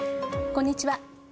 こんにちは。